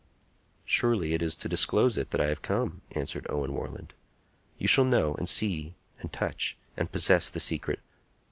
"Surely; it is to disclose it that I have come," answered Owen Warland. "You shall know, and see, and touch, and possess the secret!